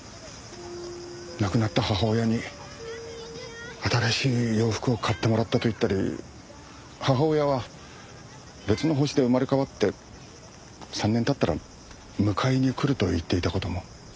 亡くなった母親に新しい洋服を買ってもらったと言ったり母親は別の星で生まれ変わって３年経ったら迎えに来ると言っていた事も。